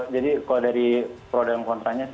jadi kalau dari pro dan kontranya sih